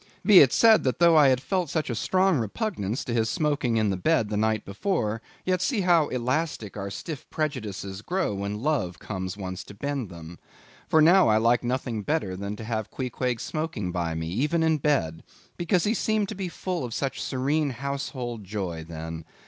Be it said, that though I had felt such a strong repugnance to his smoking in the bed the night before, yet see how elastic our stiff prejudices grow when love once comes to bend them. For now I liked nothing better than to have Queequeg smoking by me, even in bed, because he seemed to be full of such serene household joy then.